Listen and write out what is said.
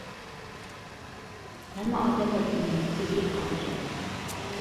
ھەممە ئادەم بىر كۈنى تۈزۈلۈپ قالىدىكەن.